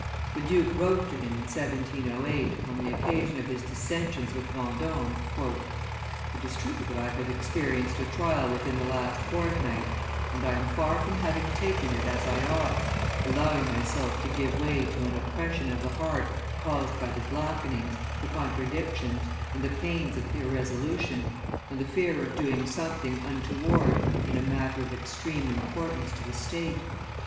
The duke wrote to him, in 1708, on the occasion of his dissensions with VendOme: "It is true that I have experienced a trial within the last fortnight, and I am far from having taken it as I ought, allowing myself to give way to an oppression of the heart caused by the blackenings, the contradictions, and the pains of irresolution, and the fear of doing something untoward in a matter of extreme importance to the State.